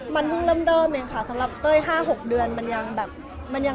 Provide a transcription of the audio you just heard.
มันเราก็ทำให้เขาเปลี่ยนอยู่กัน